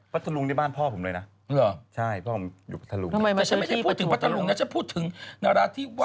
พระทะลุงในบ้านพ่อผมเลยนะใช่พ่อผมอยู่พระทะลุงนะไม่ใช่พูดถึงพระทะลุงนะฉันพูดถึงนาราธิวะ